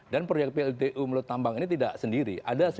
dan proyek pltu melutambang ini tidak sendiri ada sembilan